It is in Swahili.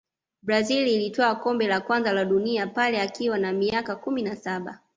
brazil ilitwaa kombe la kwanza la dunia pele akiwa na miaka kumi na saba